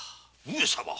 上様